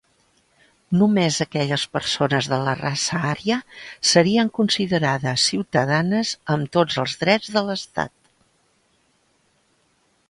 Només aquelles persones de la raça ària serien considerades ciutadanes amb tots els drets de l'estat.